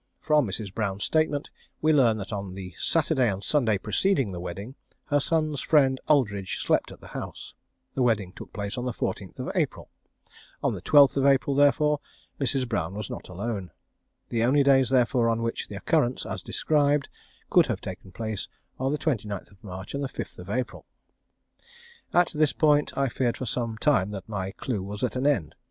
From Mrs. Brown's statement we learn that on the Saturday and Sunday preceding the wedding her son's friend Aldridge slept at the house. The wedding took place on the 14th April. On the 12th April, therefore, Mrs. Brown was not alone. The only days, therefore, on which the occurrence, as described, could have taken place are the 29th March and 5th April. At this point I feared for some time that my clue was at an end.